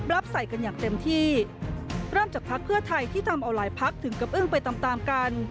เริ่มจากภักดิ์เพื่อไทยที่ทำเอาหลายภักดิ์ถึงเกปอึงไปตามกัน